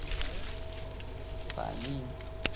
乙酰丙酮铜可由乙酰丙酮和氢氧化铜反应得到。